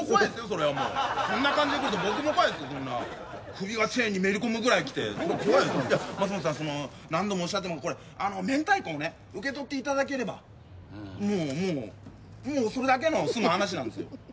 それはもうこんな感じでくると首がチェーンにめり込むぐらいきて松本さん何度もおっしゃってめんたいこをね受け取っていただければもうもうもうそれだけの済む話なんですよ